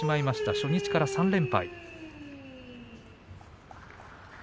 初日から３連敗。